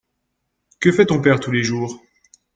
Que fait ton père tous les jours.